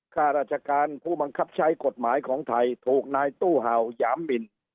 ข้าราชการผู้บังคับใช้กฎหมายของไทยถูกนายตู้เห่าหยามบิน